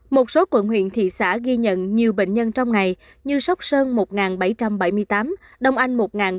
một số quận huyện thị xã ghi nhận nhiều bệnh nhân trong ngày như sóc sơn một bảy trăm bảy mươi tám đồng anh một bảy trăm bảy mươi ba